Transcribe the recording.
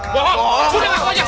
bohong udah ngaku aja